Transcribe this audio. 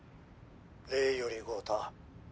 「礼より豪太」